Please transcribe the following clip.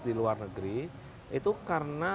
di luar negeri itu karena